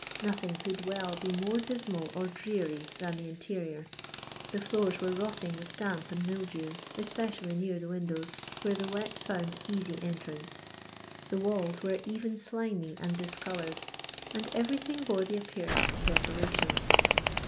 Nothing could well be more dismal or dreary than the interior. The floors were rotting with damp and mildew, espe cially mar the windows, where the wet found easy entrance. The walls were even slimy and discoloured, and everything bore the appearance of desolation.